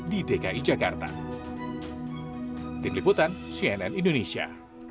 di dki jakarta tim liputan cnn indonesia